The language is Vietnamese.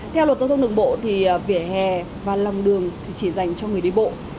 theo luật giao thông đường bộ thì vỉa hè và lòng đường thì chỉ dành cho người đi bộ